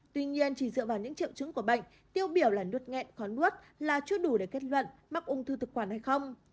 tuy nhiên chỉ dựa vào những triệu chứng của bệnh tiêu biểu là nút nghẹn khón bút là chưa đủ để kết luận mắc ung thư thực quản hay không